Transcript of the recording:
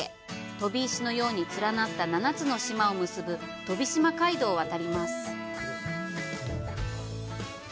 飛び石のように連なった７つの島を結ぶ「とびしま海道」を渡ります。